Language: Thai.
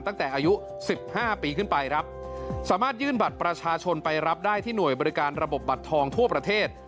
ตั้งแต่อายุสิบห้าปีขึ้นไปครับสามารถยื่นบัตรประชาชนไปรับได้ที่หน่วยบริการระบบบัตรทองทั่วประเทศ